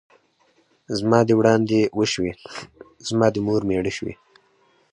ـ زما دې وړاندې وشوې ، زما دې مور مېړه شوې.